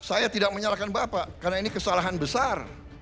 saya tidak menyalahkan bapak karena ini kesalahan besar